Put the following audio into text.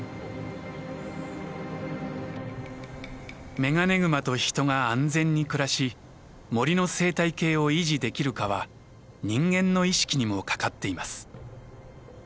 メガネグマと人が安全に暮らし森の生態系を維持できるかは人間の意識にもかかっています。